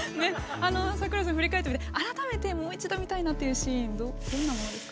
櫻井さん振り返ってみて改めてもう一度見たいシーンはどんなものですか？